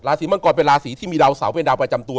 ศรีมังกรเป็นราศีที่มีดาวเสาเป็นดาวประจำตัว